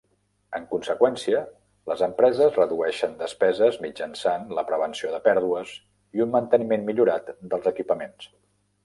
En conseqüència, les empreses redueixen despeses mitjançant la prevenció de pèrdues i un manteniment millorat dels equipaments.